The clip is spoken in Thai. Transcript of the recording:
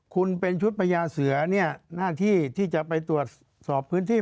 คุณเป็นชุดพญาเสือเนี่ยหน้าที่ที่จะไปตรวจสอบพื้นที่